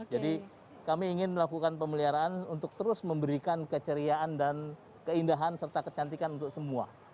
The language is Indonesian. jadi kami ingin melakukan pemeliharaan untuk terus memberikan keceriaan dan keindahan serta kecantikan untuk semua